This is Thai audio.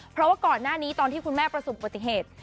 เพราะว่าก่อนหน้านี้ตอนที่คุณแม่ประสบปฏิเหตุ